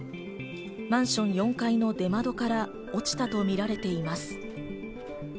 マンション４階の出窓から落ちたとみられています。